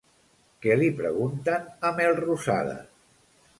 Què li pregunten a Melrosada?